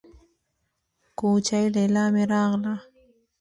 کوچۍ ليلا مې راغله.